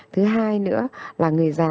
thứ hai nữa là người già